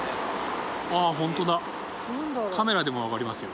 あぁホントだカメラでも分かりますよ